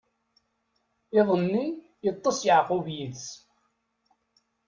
Iḍ-nni, iṭṭeṣ Yeɛqub yid-s.